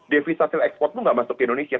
devisa hasil ekspor tuh gak masuk ke indonesia